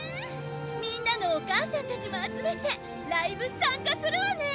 みんなのお母さんたちも集めてライブ参加するわね！